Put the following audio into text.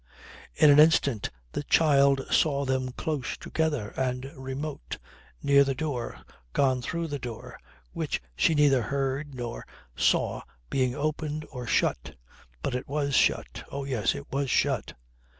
In an instant the child saw them close together and remote, near the door, gone through the door, which she neither heard nor saw being opened or shut. But it was shut. Oh yes, it was shut.